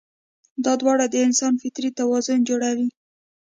دا دواړه د انسان فطري توازن جوړوي.